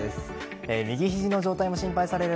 右肘の状態も心配される